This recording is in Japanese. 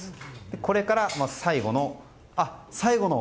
これから、最後の。